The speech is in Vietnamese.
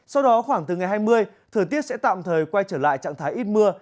sau đó khoảng từ ngày hai mươi thời tiết sẽ tạm thời quay trở lại trạng thái ít mưa